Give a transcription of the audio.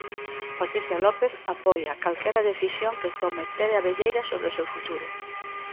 Patricia López apoia calquera decisión que tome Tere Abelleira sobre o seu futuro.